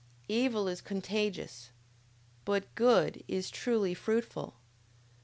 Evil is contagious, but good is truly fruitful!